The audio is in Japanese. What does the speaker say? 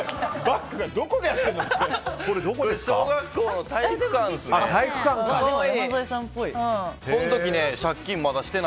バックが、どこでやってんのって。